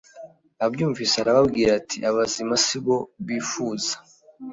abyumvise arababwira ati abazima si bo bifuza